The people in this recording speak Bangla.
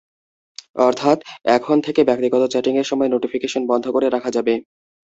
অর্থাৎ এখন থেকে ব্যক্তিগত চ্যাটিংয়ের সময় নোটিফিকেশন বন্ধ করে রাখা যাবে।